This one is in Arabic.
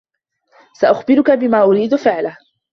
سأخبرك بما أريد فعله.